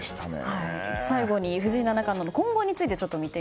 最後に藤井七冠の今後について。